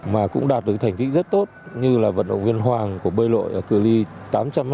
mà cũng đạt được thành tích rất tốt như là vận động viên hoàng của bơi lội ở cửa ly tám trăm linh m